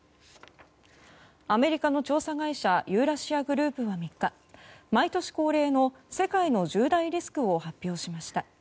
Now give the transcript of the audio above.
アメリカの調査会社ユーラシア・グループは３日毎年恒例の世界の１０大リスクを発表しました。